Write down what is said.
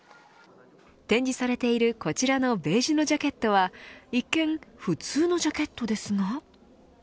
展示されているこちらのベージュのジャケットは一見、普通のジャケットですが。